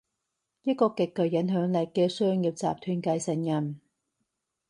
一個極具影響力嘅商業集團繼承人